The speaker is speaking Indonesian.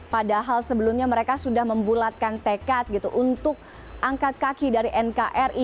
padahal sebelumnya mereka sudah membulatkan tekad gitu untuk angkat kaki dari nkri